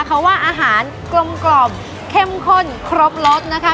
เขาว่าอาหารกลมเข้มข้นครบรสนะคะ